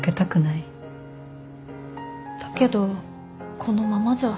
だけどこのままじゃ。